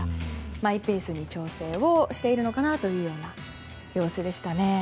マイペースに調整をしているのかなという様子でしたね。